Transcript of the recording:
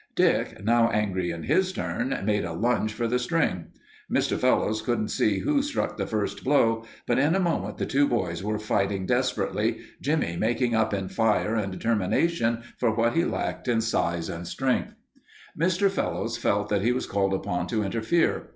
Dick, now angry in his turn, made a lunge for the string. Mr. Fellowes couldn't see who struck the first blow, but in a moment the two boys were fighting desperately, Jimmie making up in fire and determination for what he lacked in size and strength. Mr. Fellowes felt that he was called upon to interfere.